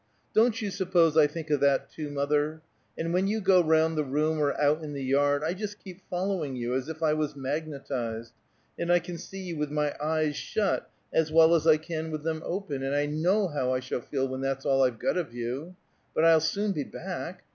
"Don't you suppose I think of that, too, mother? And when you go round the room, or out in the yard, I just keep following you as if I was magnetized, and I can see you with my eyes shut as well as I can with them open; and I know how I shall feel when that's all I've got of you! But I'll soon be back!